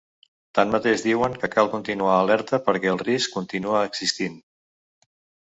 Tanmateix diuen que cal continuar alerta perquè el risc continua existint.